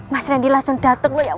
mas rendy langsung dateng lo ya